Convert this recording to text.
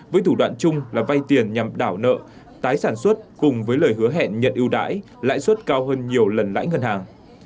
với thủ đoạn chung là vay tiền nhằm đảo nợ tái sản xuất cùng với lời hứa hẹn nhận ưu đãi lãi suất cao hơn nhiều lần lãi ngân hàng